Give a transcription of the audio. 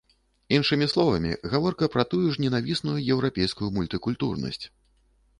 Іншымі словамі, гаворка пра тую ж ненавісную еўрапейскую мультыкультурнасць.